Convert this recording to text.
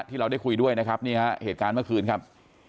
ที่เราได้คุยด้วยนะครับนี่ฮะเหตุการณ์เมื่อคืนครับ